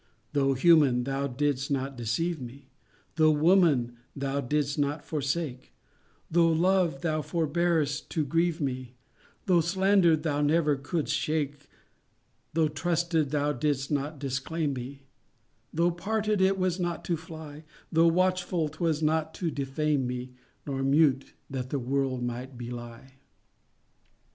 Though human, thou didst not deceive me, Though woman, thou didst not forsake, Though loved, thou forborest to grieve me, Though slandered, thou never couldst shake,— Though trusted, thou didst not disclaim me, Though parted, it was not to fly, Though watchful, 'twas not to defame me, Nor mute, that the world might belie.